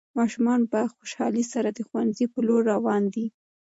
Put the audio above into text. ماشومان په خوشحالۍ سره د ښوونځي په لور روان دي.